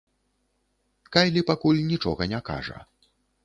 Кайлі пакуль нічога не кажа.